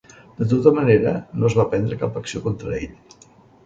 De tota manera, no es va prendre cap acció contra ell.